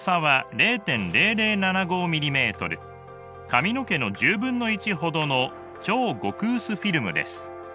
髪の毛の１０分の１ほどの超極薄フィルムです。